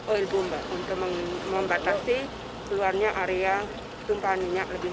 oil bomba untuk membatasi keluarnya area tumpahan minyak lebih